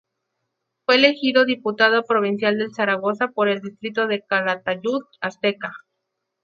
Fue elegido Diputado Provincial de Zaragoza por el distrito de Calatayud-Ateca.